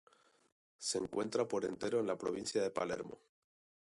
Se encuentra por entero en la provincia de Palermo.